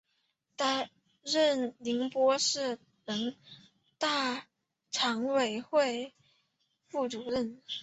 担任宁波市人大常委会副主任。